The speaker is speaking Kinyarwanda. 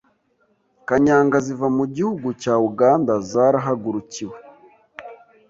Kanyanga ziva mu gihugu cya Uganda zarahagurukiwe